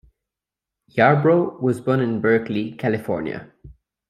Yarbro was born in Berkeley, California.